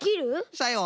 さよう。